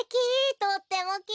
とってもきれい！